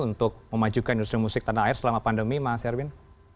untuk memajukan industri musik tanah air selama pandemi mas erwin